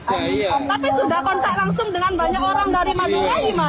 tapi sudah kontak langsung dengan banyak orang dari madura gimana